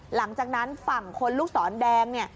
หลังจากนั้นฝั่งคนลูกศรแดงเนี่ย